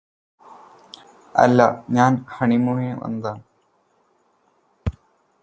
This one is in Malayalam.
അല്ലാ ഞാന് ഹണിമൂണിന് വന്നതാണ്